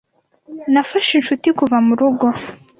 Nafashe inshuti kuva murugo